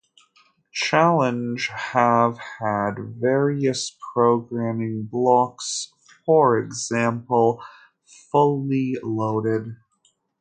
Challenge have had various programming blocks, for example, Fully Loaded!